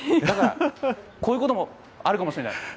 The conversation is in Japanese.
だから、こういうこともあるかもしれない。